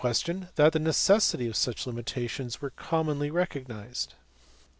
question that the necessity of such limitations were commonly recognized.